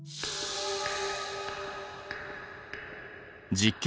実験